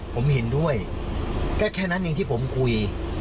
ผมเห็นด้วยก็แค่นั้นเองที่ผมคุย